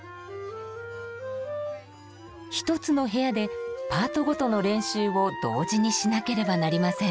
１つの部屋でパートごとの練習を同時にしなければなりません。